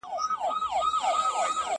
که ناست ئې پابسې، که پاڅیدې روان به شې.